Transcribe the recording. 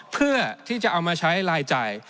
เพื่อที่จะเอามาใช้รายจ่าย